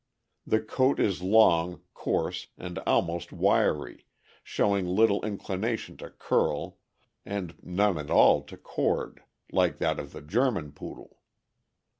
The coat is long, coarse, and almost wiry, showing little inclination to curl, and none at all to cord, like that of the German Poodle.